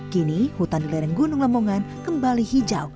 kini hutan di lereng gunung lemongan kembali hijau